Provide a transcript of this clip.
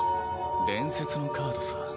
伝説のカードさ。